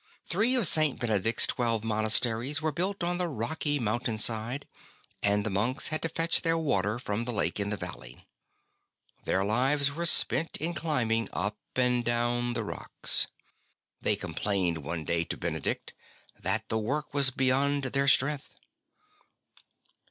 Three of St. Benedict's twelve monasteries were built on the rocky mountain side, and the monks had to fetch their water from the lake in the valley. Their lives were spent in climbing up and down the rocks. They com plained one day to Benedict, that the work was beyond their strength.